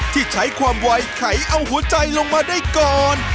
ที่ใช้ความไวไขเอาหัวใจลงมาได้ก่อน